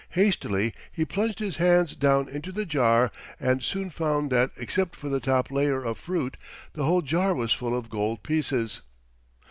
Hastily he plunged his hands down into the jar and soon found that except for the top layer of fruit the whole jar was full of gold pieces.